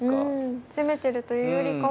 攻めてるというよりかは。